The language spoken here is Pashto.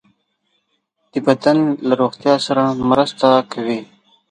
د بدن له روغتیا سره مرسته کوي.